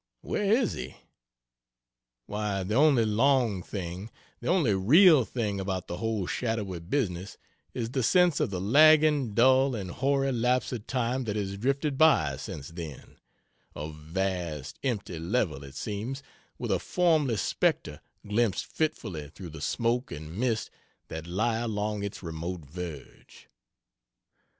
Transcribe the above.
where is he? Why the only long thing, the only real thing about the whole shadowy business is the sense of the lagging dull and hoary lapse of time that has drifted by since then; a vast empty level, it seems, with a formless spectre glimpsed fitfully through the smoke and mist that lie along its remote verge.